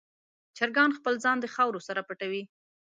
چرګان خپل ځان د خاورو سره پټوي.